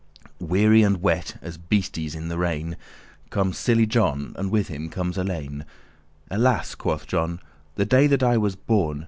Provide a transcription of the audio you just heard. Weary and wet, as beastes in the rain, Comes silly John, and with him comes Alein. "Alas," quoth John, "the day that I was born!